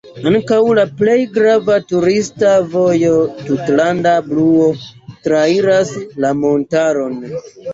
Ankaŭ la plej grava turista vojo „tutlanda bluo” trairas la montaron.